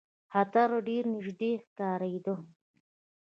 خطر ډېر نیژدې ښکارېدی.